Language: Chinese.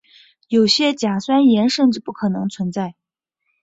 有些甲酸盐甚至不能存在。